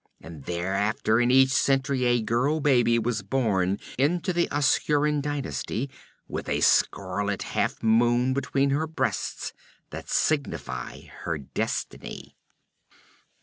And thereafter in each century a girl baby was born into the Askhaurian dynasty, with a scarlet half moon between her breasts, that signified her destiny.